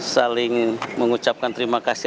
saling mengucapkan terima kasih